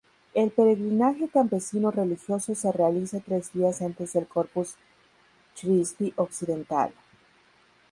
El peregrinaje campesino-religioso se realiza tres días antes del Corpus Christi occidental.